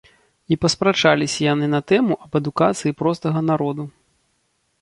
І паспрачаліся яны на тэму аб адукацыі простага народу.